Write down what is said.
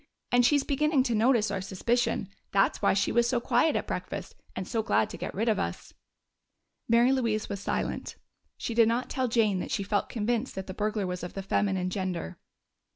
And she's beginning to notice our suspicion. That's why she was so quiet at breakfast and so glad to get rid of us." Mary Louise was silent; she did not tell Jane that she felt convinced that the burglar was of the feminine gender.